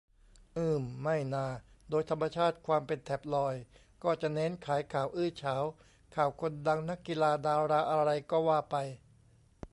อืม ไม่นา โดยธรรมชาติความเป็นแท็บลอยด์ ก็จะเน้นขายข่าวอื้อฉาว ข่าวคนดัง นักกีฬา ดารา อะไรก็ว่าไป